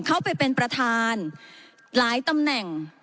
เข้าไปเป็นประธานหลายตำแหน่ง